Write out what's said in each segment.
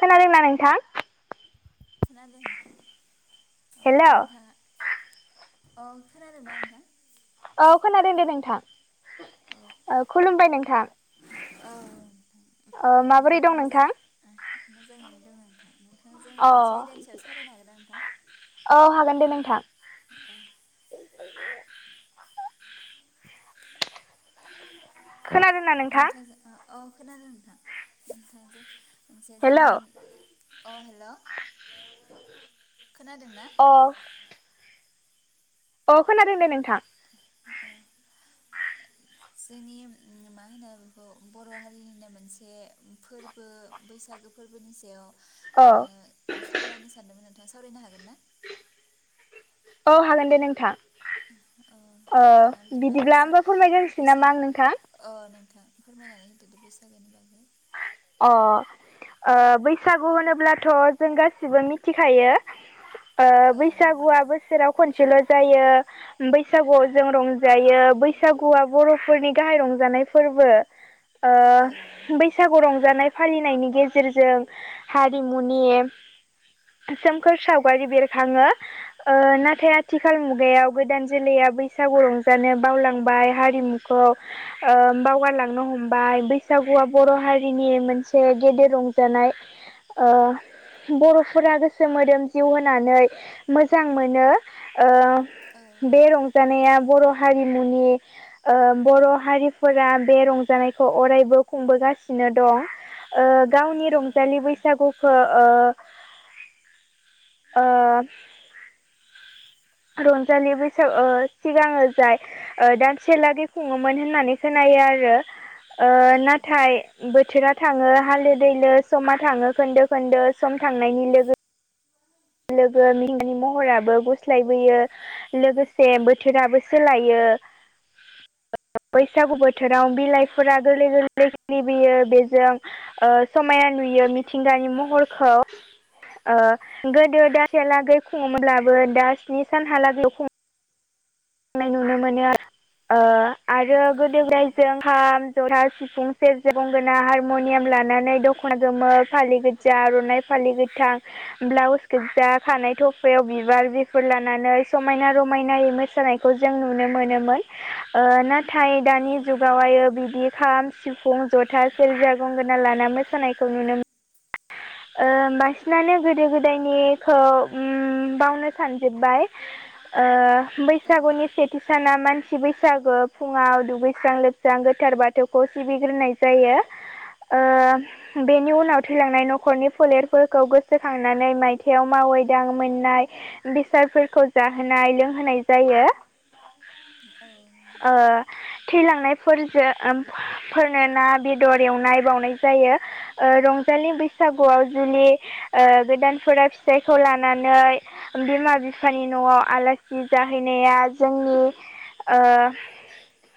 खोनादोंना नोंथां? खोनादों नोंथां औ हेलौ नोंथांआ औ खोनादोंना नोंथां औ खोनादों दे नोंथां औ ओ खुलुमबाय नोंथां औ नोंथां ओ माबोरै दं नोंथांजों नोंथां? मोजाङैनो दंङ नोंथां नोंथा थांजों अ मोनसे आयदेनि सायाव सावरायनो हागोनना नोंथां? औ हागोन दे नोंथां अ नोंथां जो ओ औ खोनादों नोंथां नोंथां मोनसे हेलौ जोंनि अ हेल' खोनादों ना? अ अ खोनादों दे नोंथां हो ओ जोंनि मा होनो बेखौ बर' हारिनिनो मोनसे फोरबो बैसागो फोरबोनि सायाव औ ओ सावरायनो सानदोंमोन नोंथां सावरायनो हागोन ना? औ हागोन दे नोंथां अ ओ नोंथाङा बिदिब्ला होमबा फोरमायग्रोनोसै नामा बैसा-बैसागो आं नोंथां? अ नोंथां फोरमायनानै होदोदे बैसागोनि बागै अ ओ बैसागु होनोब्लाथ' जों गासिबो मिथिखायो ओ औ नंगौ बैसागुआ नोंथां बोसोराव खनसेल' जायो बैसागुआव जों रंजायो बैसागुआ बर'फोरनि गाहाय रंजानाय फोरबो औ ओ नंगौ नोंथां बैसागु रं जानाय फालिनायनि गेजेरजों हारिमुनि सोमखोर सावगारि बेरखाङो नाथाय आथिखाल मुगायाव गोदान जोलैया बैसागु रंजानो बावलांबाय हारिमु खौ ओ बावगारलांनो हमबाय बैसागुआ बर' हारि रिनि मोनसे गेदेर रंजानाय ओ बर'फोरा गोसो मोदोम जिउ होनानै मोजां मोनो ओ औ बे रंजानाया बर' हारिमुनि ओ बर' हारिफोरा बे रंजानायखौ अरायबो खुंबोगास सिनो दं ओ गावनि औ रंजालि नंगौ नोंथां बैसागुखो ओ ओ रंजालि बैसाग ओ सिगाङो जाय ओ दानसेलागै खुङोमोन होननानै खोनायो आरो ओ औ नंगौ नाथाय बोथोरा थाङो हालो दैलो समा थाङो खोन्दो खोन्दो सम थांनायनि लोगो लोगो [unintelligible] महराबो गुस्लायबोयो। लोगोसे बोथोराबो सोलायो। बैसागु बोथोराव बिलाइफोरा गोरलै गोरलै खिलिबोयो बेजों ओ समायना नुयो मिथिंगानि महरखौ। ओ गोदो दानसेयालागै खुङोब्लाबो दा स्नि सानहालागैल' खुङो। नुनो मोनो ओ आरो औ गोदो गोदाय नंगौ जों खाम, जथा, सिफुं, सेरजा, गंगोना, हारम'नियाम लानानै दख'ना गोमो फालि जा आर'नाइ फालि गोथां ब्लाउस गोज्जा खानाय थफायाव बिबार बेफोर लानानै समायना रमायनायै मोसानाय खौ जों नुनो मोनोमोन ओ नाथाय औ दानि नंगौ जुगावहायो नोंथां बिदि खाम सिफुं जथा सेरजा गंगोना लाना मोसानायखौ नुनो ओ बांसिनानो गोदो गोदायनिखौ उम बावनो सानजोब्बाय। ओ औ बैसागुनि से थि साना मानसि बैसागो फुङाव दुगैस्रां लोबस्रां गोथार बाथौखौ सिबिग्रोनाय जायो। ओ बेनि उनाव थैलांनाय न'खर न'खर न'खरनि फोलेरफोरखौ गोसोखांनानै मायथाइयाव मावै दाङै मोननाय। बेसादफोरखौ जाहोनाय लोंहोनाय जायो। औ नंगौ। थैलांनायफोरजों फोरनो ना बेदर एवनाय बावनाय जायो। ‌ ओ रंजालि बैसागुआव जुनि ओ गोदानफोरा फिसाइखौ लानानै बिमा बिफानि न'आव आलासि जाहैनाया जोंनि ओ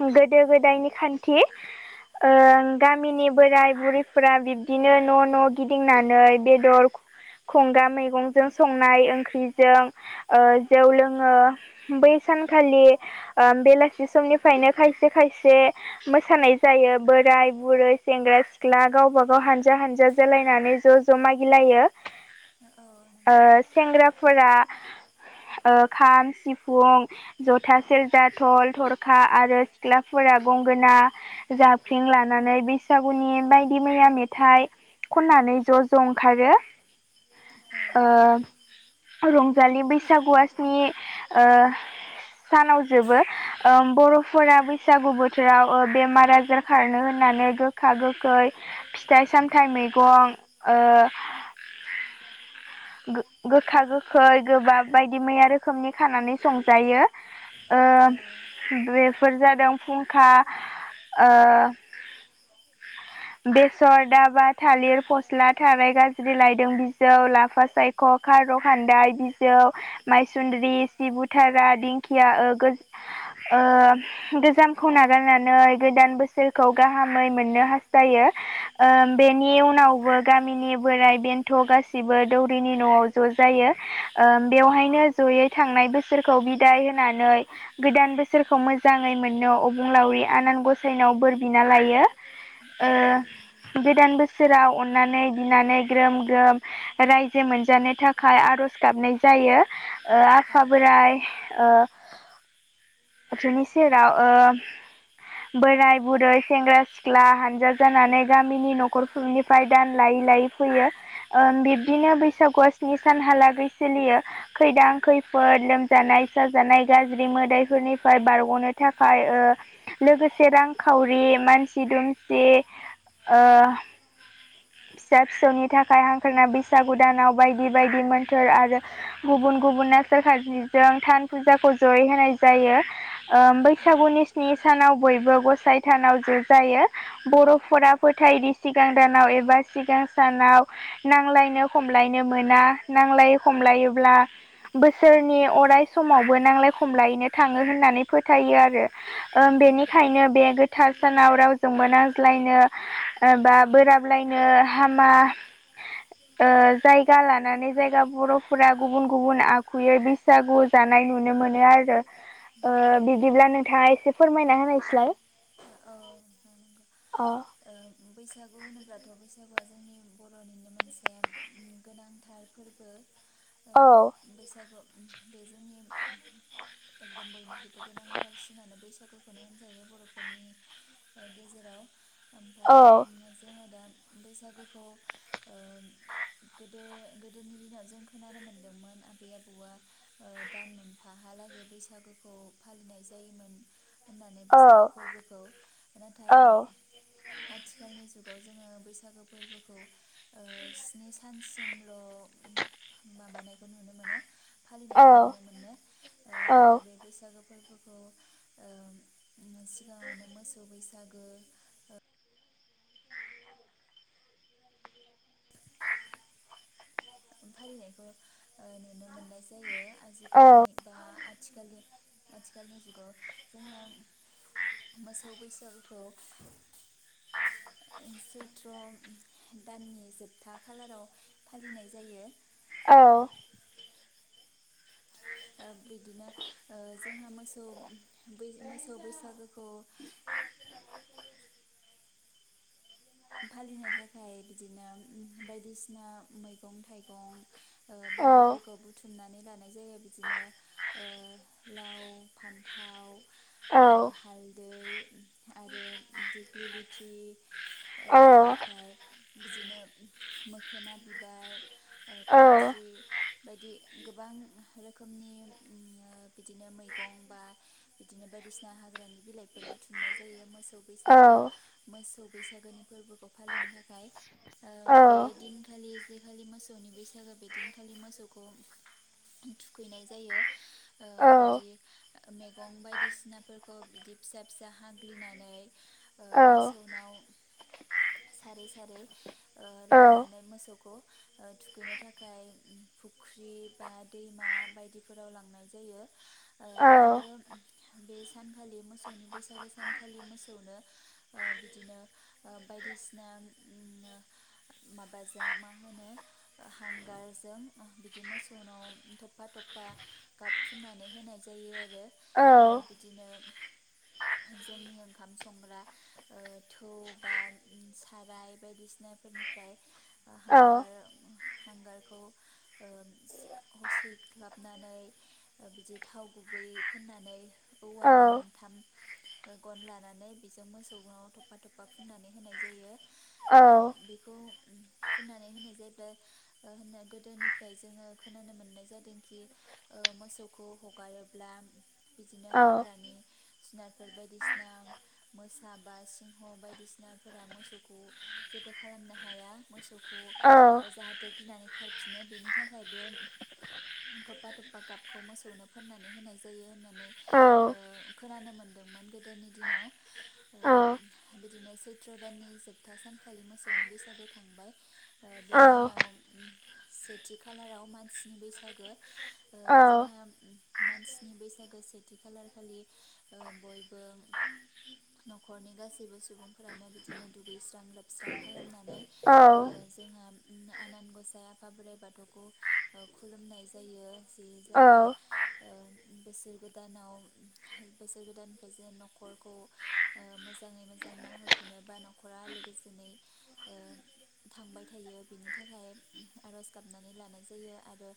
गोदो गोदायनि खान्थि ओ गामिनि बोराय बुरैफोरा बिब्दिनो न' न' गिदिंनानै बेदर खुंगा मैगंजों संनाय ओंख्रिजों - ओ जौ लोङो बै सानखालि ओ बेलासि समनिफ्रायनो खायसे खायसे मोसानाय जायो बोराय बुरै सेंग्रा सिख्ला गावबा गाव हानजा हानजा जोलायनानै ज' ज' मागिलायो। औ ओ नंगौ। सेंग्राफोरा ओ खाम, सिफुं, जथा, सेरजा, थल थरखा आरो सिख्लाफोरा गंगोना जाफलिं लानानै बैसागुनि बायदि मैया मेथाइ खननानै ज' ज' ओंखारो औ ओ रंजालि बैसागुवा स्नि ओ सानाव जोबो ओ बर'फोरा बैसागु बोथोराव ओ बेमार आजार खारनो होननानै गोखा गोखै फिथाइ सामथाइ मैगं ओ गोखा गोखै गोबाब बायदि मैया रोखोमनि खानानै संजायो। ओ औ बेफोर जादों फुंखा ओ [inaudible] बेसर दाबा थालिर फस्ला थाराय गाज्लि लायदों बिजौ लाफा सायख' खार' खान्दाय बिजौ मायसुन्द्रि सिबुथारा दिंखिया ओ गो ओ गोजामखौ नागारनानै गोदान बोसोरखौ गाहामै मोननो हास्थायो। ओ बेनि उनावबो गामिनि बोराइ बेन्थ' गासिबो दौरिनि न'आव ज' जायो ओ बेवहायनो जयै थांनाय बोसोरखौ बिदाय होनानै गोदान बोसोरखौ मोजाङै मोननो अबंलावरि आनान गसाइनाव बोर बिना लायो। ओ गोदान बोसोराव अननानै बिनानै ग्रोम ग्रोम रायजो मोनजानो थाखाय आर'ज गाबनाय जायो ओ आफा बोराइ ओ बिनि सेराव ओ बोराय-बुरै सेंग्रा-सिख्ला हानजा जानानै गामिनि न'खरफोरनि फाय दान लायै लायै फैयो ओ बिब्दिनो बैसागुआ स्नि सानहालागै सोलियो। खैदां खैफोद लोमजानाय साजानाय गाज्रि मोदायफोरनिफ्राय बारग'नो थाखाय ओ लोगोसे रांखावरि मानसि दुमसि ओ फिसा फिसौनि थाखाय हांख्रायना बिसागु दानाव बायदि बायदि मोन्थोर आरो गुबुन गुबुन ना सोरार किजों थान फुजाखौ जयै होनाय जायो। ओ औ औ बैसागुनि स्नि सानाव बयबो गसाइथानाव ज जायो बर'फोरा फोथायदि सिगां दानाव एबा सिगां सानाव नांलायनो हमलायनो मोना नांलाय खमलायोब्ला बोसोरनि अराय समावबो नांलाय खमलायैनो थाङो होननानै फोथायो आरो ओ बेनिखायनो बे थार सानाव रावजोंबो नांज्लायनो ओ बा बोराबलायनो हामा ओ जायगा लानानै जायगा बर'फोरा गुबुन गुबुन आखुयै बैसागु जानाय नुनो मोनो आरो [inaudible] ओ बिदिब्ला नोंथाङा एसे फोरमायना होनायसैलाय औ नंगौ अ ओ बैसागु होनोब्लाथ' बैसागुआ जोंनि बर'निनो मोनसे गोनांथार फोरबो ओ औ बैसागु बे जोंनि एकदम बयनिख्रुइबो गोनांथार बांसिनानो बैसागुखौनो होनजायो बर'फोरनि ओ गेजेराव औ ओमफाय जोङो दा बैसागुखौ ओ गोदो गोदोनि दिनाव जों खोनानो मोनदोंमोन आबै आबौआ दानमोन फाहालागै बैसागुखौ फालिनाय जायोमोन। होननानै औ बैसागो फोरबोखौ नाथाय औ आथिखालनि जुगाव जोङो बैसागो फोरबोखौ ओ स्नि सानसेमल' माबानायखौ नुनो मोनो औ फालिनायखौ नुनो मोनो ओ औ दा बे बैसागो फोरबोखौ ओ सिगाङावनो मोसौ बैसागो ओ फालिनायखौ ओ नुनो मोननाय जायो आजिखालिनि बा आथिखनि आथिखालनि जुगाव जोंहा मोसौ बैसागोखौ सैथ्र' दाननि जोबथा खालाराव फालिनाय जायो। औ ओ बिदिनो जोंहा ओ मोसौ मोसौ बैसागोखौ फालिनो थाखाय बिदिनो बायदिसिना मैगं-थाइगं ओ बायदिफोरखौ बुथुमनानै लानाय जायो बिदिनो ओ लाव, फान्थाव औ हालदै आरो दिग्लि लथि ओ ओमफ्राय बिदिनो मोखोना बिबार ओ औ खाथ्रि बायदि गोबां रोखोमनि बिदिनो मैगं बा बिदिनो बायदिसिना हाग्रानि बिलाइफोर बुथुमनाय जायो मोसौ औ बैसागो मोसौ बैसागोनि फोरबोखौ फालिनो थाखाय औ बे दिनखालि जेखालि मोसौनि बैसागो बे दिनखालि मोसौ खौ थुखैनाय जायो ओ बिदि मैगं बायदिसिना खौ बिदि फिसा फिसा हाग्लिनानै मोसौनाव सारै सारै लानानै मोसौखौ थुखैनो थाखाय फुख्रि बा दैमा बायदिफोराव लांनाय जायो। ओ औ आरो बे सानखालि मोसौनि बैसागो सानखालि मोसौनो ओ बिदिनो ओ बायदिसिना उम माबाजों मा होनो हांगारजों बिदि मोसौनाव थफफा थफफा गाब फुननानै होनाय जायो आरो ओ बि दिनो जोंनि ओंखाम संग्रा ओ थौ बा साराय बायदिसिनाफोरनिफ्राय ओ हांगार हांगारखौ ओ [unintelligible] सैग्लाबनानै ओ बिदि थाव गुबै फुननानै औवानि मोनथाम ओ गन लानानै बेजों मोसौनाव थफा थफा फुननानै होनाय जायो ओ खौ फुननानै होनाय जायोब्ला होनना गोदोनिफ्राय जोङो खोनानो मोननाय जादोंखि ओ मोसौखौ हगारोब्ला बिदिनो हाग्रानि जुनारफोर बायदिसिना मोसा बा सिंह' बाय दिसिनाफोरा मोसौखौ जेबो खालामनो हाया मोसौखौ ओ जाहा थे गिनानै खारफिनो बेनि थाखाय बे थफा थफफा गाबखौ मोसौनो फोननानै होनाय जायो होननानै ओ खोनानो मोनदोंमोन गोदोनि दिनाव ओ दिनो सैत्र' दाननि जोबथा सानखालि मोसौनि बैसागो थांबाय ओ बिनि उनाव उम सेथि खालाराव मानसिनि बैसागो ओ जोंहा मानसिनि बैसागो से थि खालखर खालि ओ बयबो न'खरनि गासैबो सुबुंफोरानो बिदिनो दुगैस्रां लोबस्रां खालामनानै औ ओ जोंहा आनान गसाइ आफा बोराइ बाथौखौ ओ खुलुमनाय जायो जे जाहाथे ओ बोसोर गोदानाव बोसोर गोदाननिफ्राय जों न'खरखौ ओ मोजाङै मोजां नाहरफिनो बा नाख'रा आलो गोजोनै ओ थांबाय थायो बिनि थाखाय आर'ज गाबनानै लानाय जायो आरो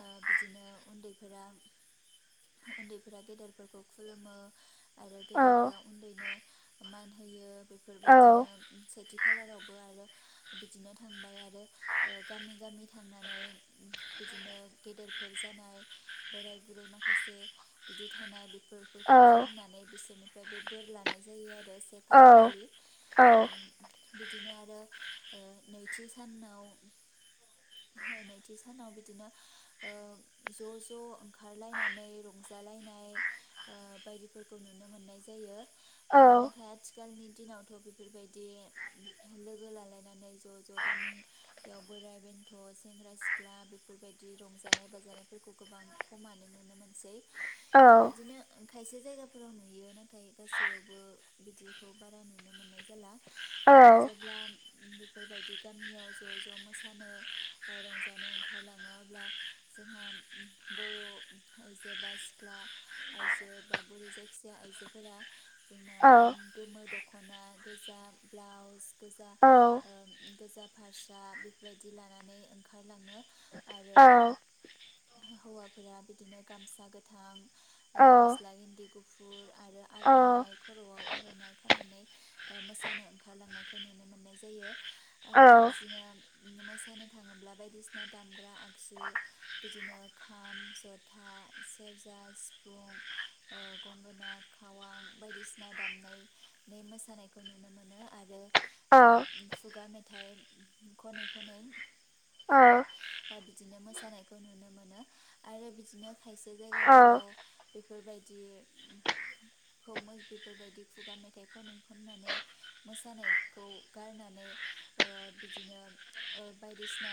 ओ बिदिनो उन्दैफोरा उन्दैफोरा गेदेरफोरखौ खुलुमो आरो गेदेरफ्रा उन्दैनो मान होयो बेफोरबायदिनो सेथि खालारावबो आरो बिदिनो थांबाय आरो ओ गामि गामि थांनानै बिदिनो गेदेरफोर जानाय बोराय बुरै माखासे बिदि थानाय बेफोरखौ खुलुमनानै बिसोरनिफ्रायबो बोर लानाय जायो आरो सेक कालार खालि ओ बिदिनो आरो ओ नैथि सानाव [unintelligible] हो नैथि सानाव बिदिनो ओ ज' ज' ओंखारलायनानै रंजालायनाय ओ बायदिफोरखौ नुनो मोननाय जायो ओ नाथाय आथि थिखालनि दिनावथ' बेफोरबायदि लोगो लालायनानै ज' ज' गामि बेयाव बोराय बेन्थ' सेंग्रा सिख्ला बेफोरबायदि रंजानाय बाजानायफोरखौ गोबां खमानो नुनो मोनसै। ओ बिदिनो खायसे जायगाफोराव नुयो नाथाय गासैयावबो बिदि खौ बारा नुनो मोननाय जाला ओ जेब्ला बेफोरबायदि गामियाव ज' ज' मोसानो ओ रंजानो ओंखारलाङो अब्ला जोंहा बर' आइजो बा सिख्ला आइजो बा बुरै जायखिजयााया आइजो फोरा जोंना गोमो दख'ना गोजा ब्लाउस गोजा ओ गोजा फास्रा बायदि लानानै ओंखारलाङो आरो हौवाफोरा बिदिनो गामसा गोथां ओ गस्ला इन्दि गुफ गुफुर आरो आर'नाइ खर'आव आर'नाइ गखानानै मोसानो ओंखारलांनायखौ नुनो मोननाय जायो ओमफ्राय बिदिनो मोसानो थाङोब्ला बायदिसिना दामग्रा आगजु बिदिनो खाम जथा सेरजा सिफुं गंगोना खावां बायदिसिना दामनाय बे मोसानायखौ नुनो मोनो आरो ओ खुगा मेथाइ खनै खनै औ बिदिनो मोसानायखौ नुनो मोनो आरो बिदिनो खायसे औ जायगाफोराव बेफोरबायदिखौ बेफोरबायदि खुगा मेथाइ खनखननानै मोसानायखौ गारनानै ओ बिदिनो बायदिसिना